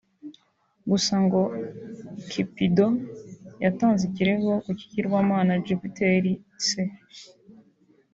Gusa ngo Cupidon yatanze ikirego ku kigirwamana Jupiteri se